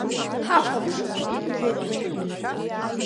Ҳахәаԥшып, – иҳәеит уи.